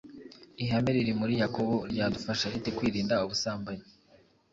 Ihame riri muri Yakobo ryadufasha rite kwirinda ubusambanyi